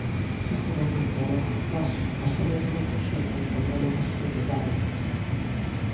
Seguramente, a longo prazo, pasaría por outro xeito de entender a masculinidade.